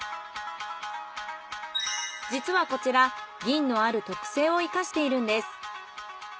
実はこちら銀のある特性を生かしているんです。